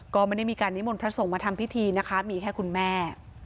ก็ไม่ได้มีการนิมนต์พระสงฆ์มาทำพิธีนะคะมีแค่คุณแม่